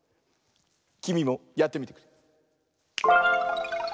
きみもやってみてくれ。